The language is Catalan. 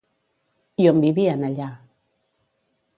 I on vivien allà?